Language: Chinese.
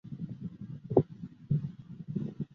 这里所指的概念并不仅限于人。